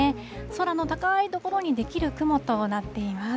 空の高い所に出来る雲となっています。